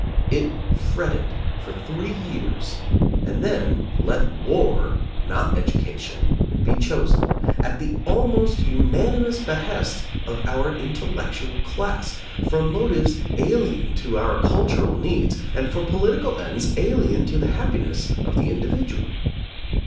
It fretted for three years and then let war, not edu cation, be chosen, at the almost unanimous behest of our intellectual class, from motives alien to our cultural needs, and for political ends alien to the happiness of the individual.